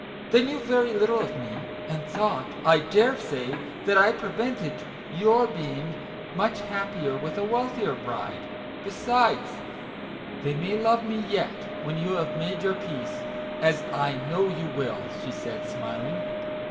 They knew very little of me, and thought, I dare say, that I prevented your being much happier with a 28 MAGIC WORDS. wealthier bride : besides, they may love me yet when you have made your peace, as I know you will," said she, smiling.